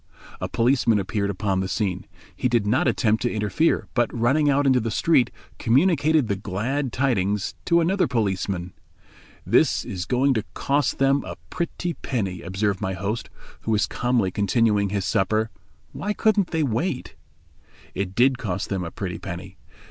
A policeman appeared upon the scene. He did not attempt to interfere, but running out into the street communicated the glad tidings to another policeman. "This is going to cost them a pretty penny," observed my host, who was calmly continuing his supper; "why couldn't they wait?" It did cost them a pretty penny.